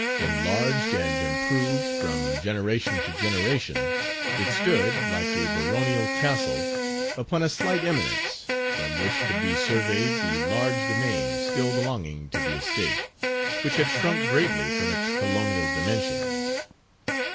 Enlarged and improved from generation to generation, it stood, like a baronial castle, upon a slight eminence from which could be surveyed the large demesne still belonging to the estate, which had shrunk greatly from its colonial dimensions.